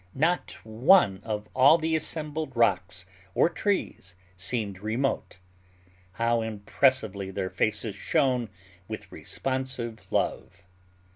Not one of all the assembled rocks or trees seemed remote. How impressively their faces shone with responsive love!